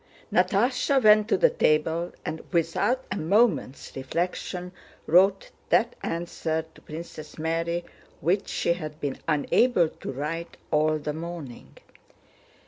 Natásha went to the table and without a moment's reflection wrote that answer to Princess Mary which she had been unable to write all the morning.